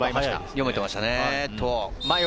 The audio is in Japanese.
読めていましたね。